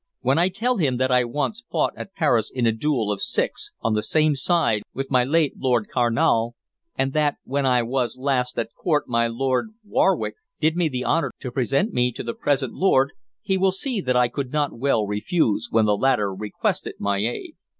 "When I tell him that I once fought at Paris in a duel of six on the same side with my late Lord Carnal, and that when I was last at court my Lord Warwick did me the honor to present me to the present lord, he will see that I could not well refuse when the latter requested my aid."